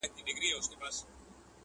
نور خلگ پيسې گټي، پښتانه کيسې گټي.